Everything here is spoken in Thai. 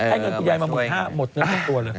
ให้เงินคุณยายมาหมด๕บาทหมดเนื้อตัวเลย